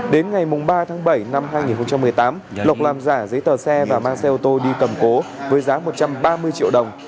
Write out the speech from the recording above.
đến ngày ba tháng bảy năm hai nghìn một mươi tám lộc làm giả giấy tờ xe và mang xe ô tô đi cầm cố với giá một trăm ba mươi triệu đồng